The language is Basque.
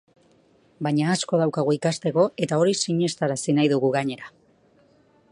Baina asko daukagu ikasteko eta hori sinestarazi nahi dugu gainera.